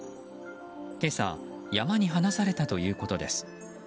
今朝、山に放されたということです。